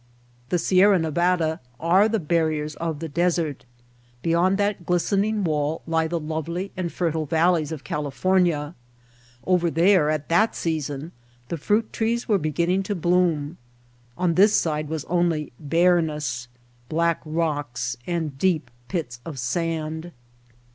The Sierra Nevada are the barriers of the desert. Beyond that glistening wall lie the lovely and fertile valleys of California. Over there at that sea son the fruit trees were beginning to bloom, on this side was only bareness, black rocks, and deep pits of sand.